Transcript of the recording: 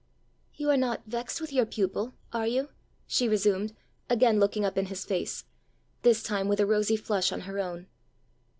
"You are not vexed with your pupil are you?" she resumed, again looking up in his face, this time with a rosy flush on her own.